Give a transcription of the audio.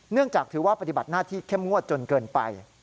จากถือว่าปฏิบัติหน้าที่เข้มงวดจนเกินไป